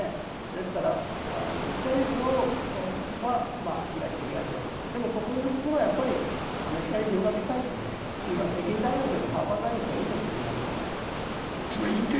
ですから、政府は東へ東へでも国民の心はアメリカに留学したいし北京大学よりハーバード大学のほうがイラン人はいいんですよ。